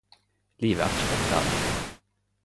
Livet er ikkje rettferdig!